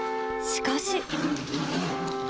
しかし。